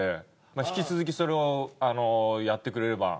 引き続きそれをやってくれれば。